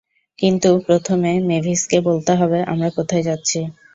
কিন্ত প্রথমে, মেভিসকে বলতে হবে আমরা কোথায় যাচ্ছি।